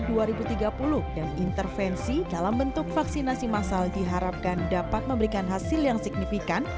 dan intervensi dalam bentuk vaksinasi massal diharapkan dapat memberikan hasil yang signifikan